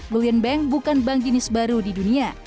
lian bank bukan bank jenis baru di dunia